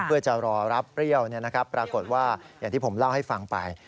เพื่อจะรอรับเปรี้ยวปรากฏว่าอย่างที่ผมเล่าให้ฟังไป